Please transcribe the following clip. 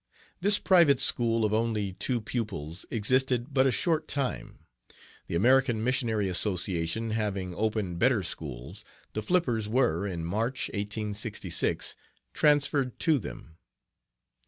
This private school of only two pupils existed but a short time. The American Missionary Association having opened better schools, the Flippers were, in March, 1866, transferred to them.